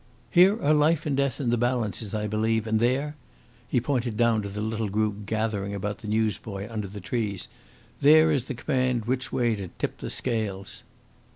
"Here are life and death in the balance, as I believe, and there" he pointed down to the little group gathering about the newsboy under the trees "there is the command which way to tip the scales."